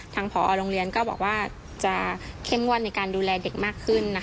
ผอโรงเรียนก็บอกว่าจะเข้มงวดในการดูแลเด็กมากขึ้น